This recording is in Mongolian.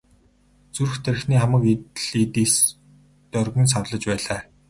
Зүрх тархины хамаг л эд эс нь доргин савлаж байлаа.